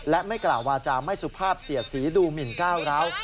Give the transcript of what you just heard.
และไม่กล่าววาจาไม่สุภาพเสียดสีดูหมินก้าวร้าว